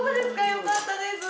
よかったです！